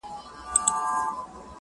خېرات دي وسه، د مړو دي ښه په مه سه.